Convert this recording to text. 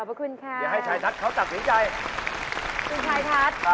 ขอบคุณค่ะอย่าให้ชายทัศน์เขาจับถึงใจคุณชายทัศน์